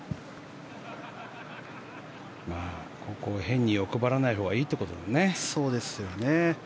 ここは変に欲張らないほうがいいってことだね。